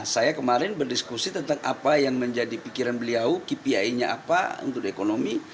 saya kemarin berdiskusi tentang apa yang menjadi pikiran beliau kpi nya apa untuk ekonomi